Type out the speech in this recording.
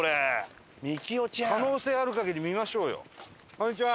こんにちは。